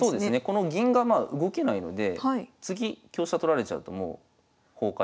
この銀がまあ動けないので次香車取られちゃうともう崩壊ですよね。